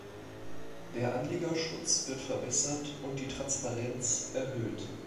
Der Anlegerschutz wird verbessert und die Transparenz erhöht.